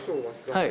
はい。